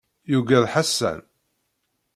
Yuggad Ḥasan?